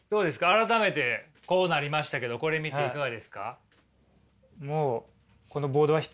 改めてこうなりましたけどこれ見ていかがですか？